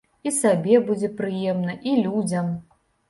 І сабе будзе прыемна, і людзям.